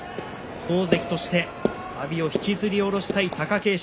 大関として、阿炎を引きずり下ろしたい貴景勝。